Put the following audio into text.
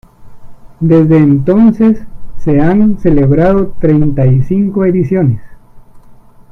Desde entonces se han celebrado treinta y cinco ediciones.